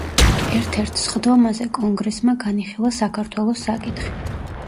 ერთ-ერთ სხდომაზე კონგრესმა განიხილა საქართველოს საკითხი.